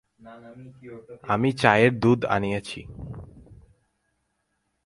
আমি চায়ের দুধ আনিয়াছি।